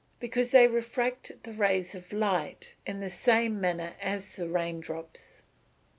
_ Because they refract the rays of light in the same manner as the rain drops.